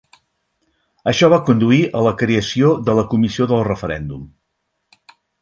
Això va conduir a la creació de la Comissió de Referèndum.